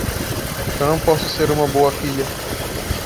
Eu não posso ser uma boa filha.